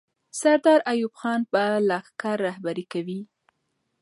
سردار ایوب خان به لښکر رهبري کوي.